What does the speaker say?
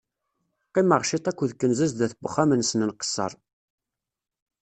Qqimeɣ ciṭ aked kenza sdat n uxxam-nsen nqesser.